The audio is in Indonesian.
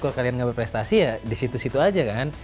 kalau kalian nggak berprestasi ya di situ situ aja kan